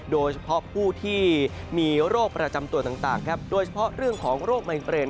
โดยเฉพาะผู้ที่มีโรคประจำตัวต่างครับโดยเฉพาะเรื่องของโรคไมเกรน